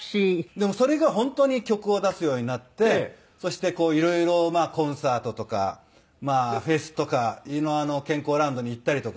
でもそれが本当に曲を出すようになってそして色々コンサートとかフェスとか健康ランドに行ったりとか。